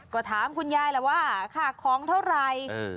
ก็ถามคุณยายสิวะว่าข้าของเท่าแหละ